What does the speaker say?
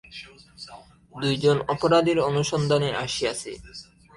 দুই জন অপরাধীর অনুসন্ধানে আসিয়াছি।